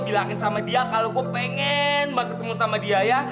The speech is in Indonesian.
bilangin sama dia kalau gue pengen bertemu sama dia ya